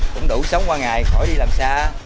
cũng đủ sống qua ngày khỏi đi làm xa